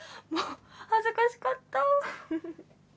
もう恥ずかしかった。